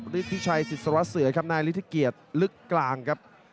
ฤทธิชัยศิษวะเสือครับนายลิธิเกียรติลึกกลางครับ